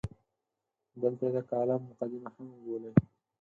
دلته یې د کالم مقدمه هم وبولئ.